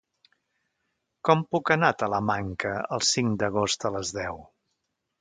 Com puc anar a Talamanca el cinc d'agost a les deu?